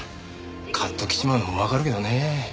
カッときちまうのもわかるけどね。